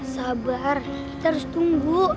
sabar kita harus tunggu